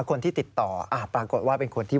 คนที่ติดต่อปรากฏว่าเป็นคนที่